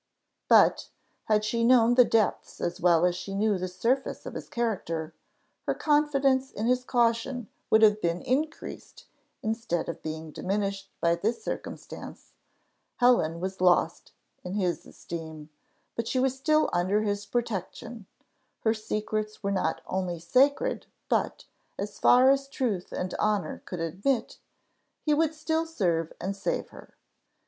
But, had she known the depths as well as she knew the surface of his character, her confidence in his caution would have been increased, instead of being diminished by this circumstance: Helen was lost in his esteem, but she was still under his protection; her secrets were not only sacred, but, as far as truth and honour could admit, he would still serve and save her.